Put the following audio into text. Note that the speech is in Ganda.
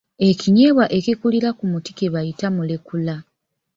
Ekinyeebwa ekikulira ku muti kye bayita Mulekula.